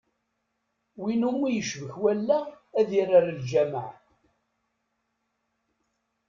Win umi yecbek wallaɣ, ad yerr ar lǧameɛ.